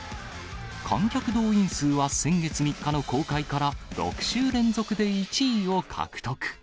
観客動員数は先月３日の公開から６週連続で１位を獲得。